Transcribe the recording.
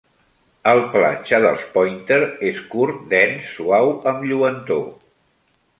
El pelatge dels Pòinter és curt, dens, suau amb lluentor.